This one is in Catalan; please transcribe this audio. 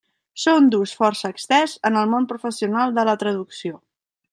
Són d'ús força estès en el món professional de la traducció.